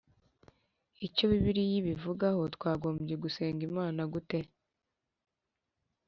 Icyo Bibiliya ibivugaho Twagombye gusenga Imana dute